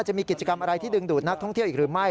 จะมีกิจกรรมอะไรที่ดึงดูดนักท่องเที่ยวอีกหรือไม่